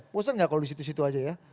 bosan nggak kalau di situ situ aja ya